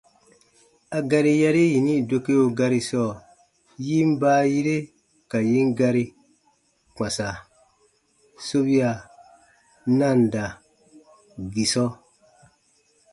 A gari yari yini dokeo gari sɔɔ, yin baayire ka yin gari: kpãsa- sobia- nanda-gisɔ.